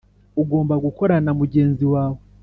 ugomba gukorana na mugenzi wawe